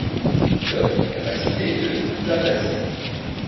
Il offre une capacité de places assises.